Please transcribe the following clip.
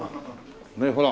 ねえほら。